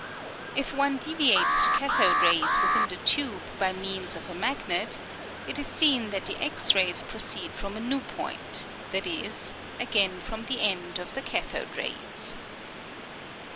If one deviates the cathode rays within the tube by means of a magnet, it is seen that the X rays proceed from a new point, i. e., again from the end of the cathode rays.